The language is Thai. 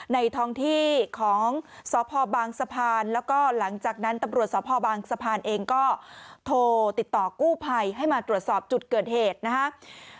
ท้องที่ของสพบางสะพานแล้วก็หลังจากนั้นตำรวจสพบางสะพานเองก็โทรติดต่อกู้ภัยให้มาตรวจสอบจุดเกิดเหตุนะครับ